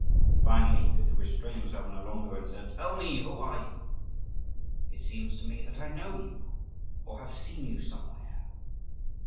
Finally he could restrain himself no longer, and said, "Tell me, who are you? It seems to me that I know you, or have seen you somewhere."